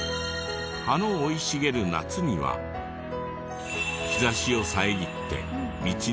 葉の生い茂る夏には日差しを遮って道に影を落とし。